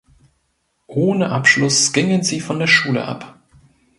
Ohne Abschluss gingen sie von der Schule ab.